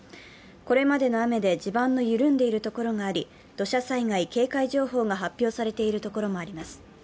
これまでの雨で地盤の緩んでいるところがあり、土砂災害警戒情報が発表されているところもあります。